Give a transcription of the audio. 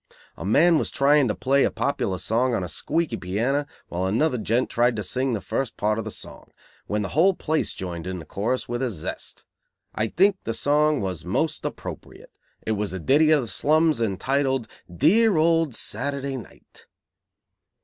A man was trying to play a popular song on a squeaky piano, while another gent tried to sing the first part of the song, when the whole place joined in the chorus with a zest. I think the song was most appropriate. It was a ditty of the slums entitled, 'Dear Old Saturday Night.'"